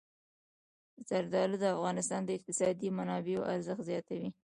زردالو د افغانستان د اقتصادي منابعو ارزښت زیاتوي.